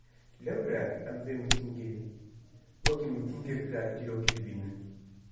Lewre em vê mîtîngê, wekî mîtîngeke dîrokî dibînin